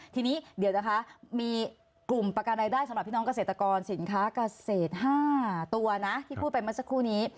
ทีนี้เดี๋ยวนะคะมีกลุ่มประกันรายได้สำหรับพี่น้องเกษตรกรสินค้าเกษตร๕ตัวนะที่พูดไปเมื่อสักครู่นี้